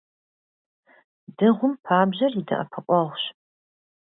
Дыгъум пабжьэр и дэӀэпыкъуэгъущ.